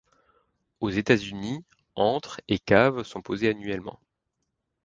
Aux États-Unis, entre et cave sont posés annuellement.